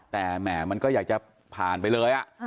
แต่แหม่มันก็อยากจะผ่านไปเลย